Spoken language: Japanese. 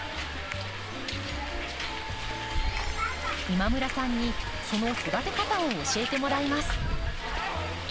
今村さんにその育て方を教えてもらいます。